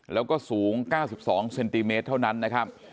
แล้วก็สูง๙๒เซนติเมตรเท่านั้นนะครับ